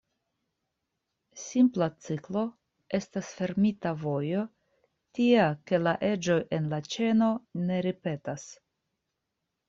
Simpla ciklo estas fermita vojo tia, ke la eĝoj en la ĉeno ne ripetas.